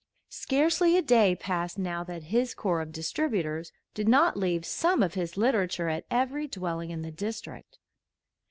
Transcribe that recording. Scarcely a day passed now that his corps of distributors did not leave some of his literature at every dwelling in the district.